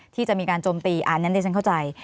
ที่จะมีการโจมตีอันนั้นดิฉันเข้าใจ